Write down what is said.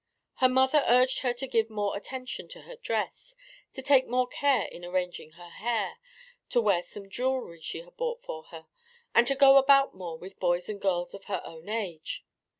Her mother urged her to give more attention to her dress, to take more care in arranging her hair, to wear some jewelry she had bought for her, and to go about more with boys and girls of her own age.